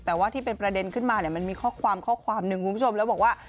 แต่ว่าที่เป็นประเด็นขึ้นมาเนี่ยมันมีข้อความข้อความหนึ่งคุณผู้ชมแล้วบอกว่า